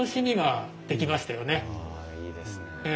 ああいいですね。